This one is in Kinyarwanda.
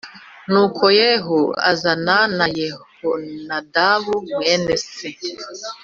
Nuko Yehu Azana Na Yehonadabu Mwene se